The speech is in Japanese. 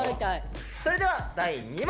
それでは第２問。